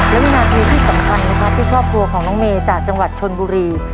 และวินาทีที่สำคัญนะครับที่ครอบครัวของน้องเมย์จากจังหวัดชนบุรี